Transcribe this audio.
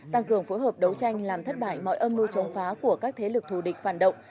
tăng cường phối hợp đấu tranh làm thất bại mọi âm mưu chống phá của các thế lực thù địch phản động